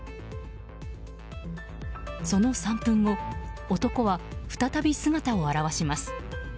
その３分後男は再び姿を現します。